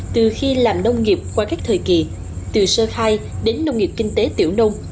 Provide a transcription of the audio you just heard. từ khi làm nông nghiệp qua các thời kỳ từ sơ khai đến nông nghiệp kinh tế tiểu nông